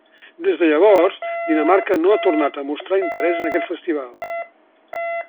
Des de llavors, Dinamarca no ha tornat a mostrar interès en aquest festival.